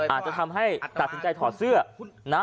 อาจจะทำให้ตัดสินใจถอดเสื้อนะ